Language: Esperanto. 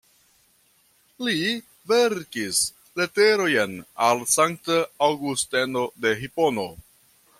Li verkis leterojn al Sankta Aŭgusteno de Hipono.